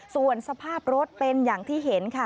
ส่วนสภาพรถเป็นอย่างที่เห็นค่ะ